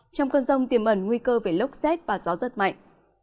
trong cơn rông tiềm ẩn nguy cơ về lốc xét và gió rất mạnh